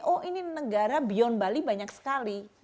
oh ini negara beyond bali banyak sekali